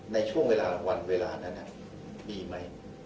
ในช่วงเวลาวันเวลานั้นมีไหม